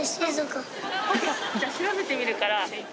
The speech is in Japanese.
じゃあ調べてみるから。